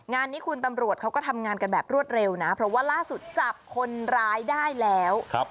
งานนี้คุณตำรวจเขาก็ทำงานกันแบบรวดเร็วนะเพราะว่าล่าสุดจับคนร้ายได้แล้ว